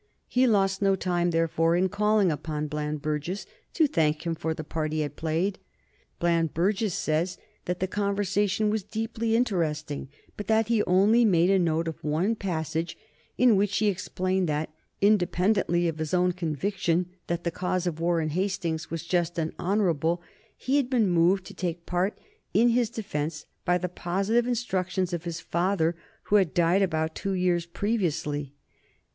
He lost no time, therefore, in calling upon Bland Burges to thank him for the part he had played. Bland Burges says that the conversation was deeply interesting, but that he only made a note of one passage, in which he explained that, independently of his own conviction that the cause of Warren Hastings was just and honorable, he had been moved to take part in his defence by the positive instructions of his father, who had died about two years previously.